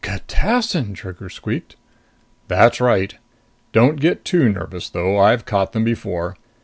"Catassin!" Trigger squeaked. "That's right. Don't get too nervous though. I've caught them before.